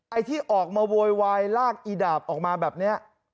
ไอ้ที่ออกมาโวยวายลากอีดาบออกมาแบบนี้